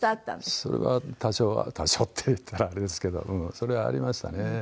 それは多少は多少って言ったらあれですけどそれはありましたね。